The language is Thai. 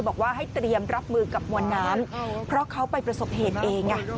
บอกว่าให้เตรียมรับมือกับมวลน้ำเพราะเขาไปประสบเหตุเอง